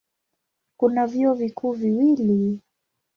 Kuna vyuo vikuu viwili.